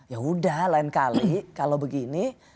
ya udah lain kali kalau begini